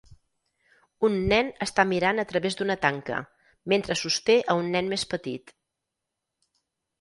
Un nen està mirant a través d'una tanca, mentre sosté a un nen més petit.